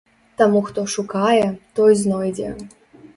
Таму хто шукае, той знойдзе.